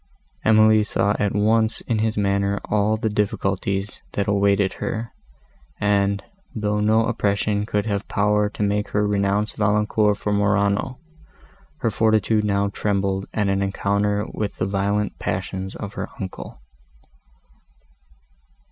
Emily saw at once in his manner all the difficulties, that awaited her, and, though no oppression could have power to make her renounce Valancourt for Morano, her fortitude now trembled at an encounter with the violent passions of her uncle.